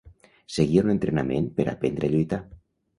Seguia un entrenament per a aprendre a lluitar.